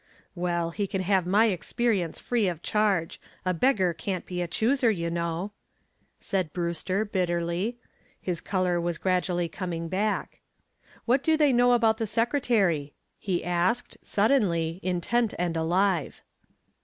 "Well, he can have my experience free of charge. A beggar can't be a chooser, you know," said Brewster, bitterly. His color was gradually coming back. "What do they know about the secretary?" he asked, suddenly, intent and alive.